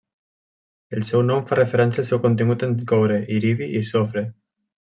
El seu nom fa referència al seu contingut en coure, iridi i sofre.